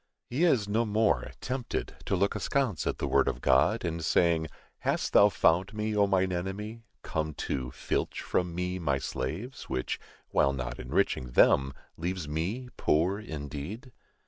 He is no more tempted to look askance at the word of God, and saying, "Hast thou found me, O mine enemy," come to "filch from me" my slaves, which, "while not enriching" them, "leaves me poor indeed?"